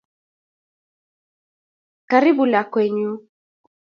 Karibu lakwenyu